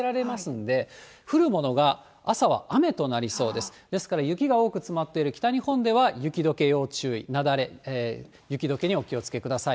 ですから雪が多く積もっている北日本では、雪どけ要注意、雪崩、雪どけにお気をつけください。